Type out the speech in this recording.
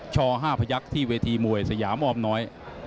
ช๕พยักษ์ที่เวทีมวยสยามออมน้อย